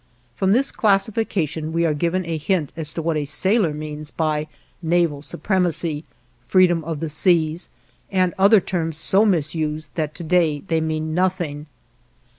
From this classification we are given a hint as to what a sailor means by "naval supremacy," "freedom of the seas," and other terms so misused that to day they mean nothing.